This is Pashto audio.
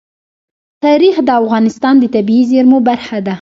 تاریخ د افغانستان د طبیعي زیرمو برخه ده.